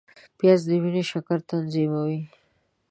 پیاز د وینې شکر تنظیموي